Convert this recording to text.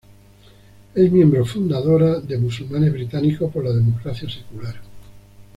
Es miembro fundadora de Musulmanes británicos por la democracia secular.